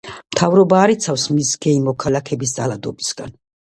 მთავრობა არ იცავს მის გეი მოქალაქეებს ძალადობისგან.